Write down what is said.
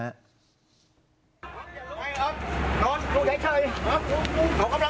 วันให้เดินขอบใจนะครับ